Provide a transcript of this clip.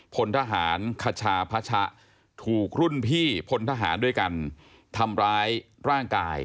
พลทหารคชาพระชะถูกรุ่นพี่พลทหารด้วยกันทำร้ายร่างกาย